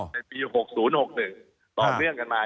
ในปี๖๐๖๑ต่อเนื่องกันมา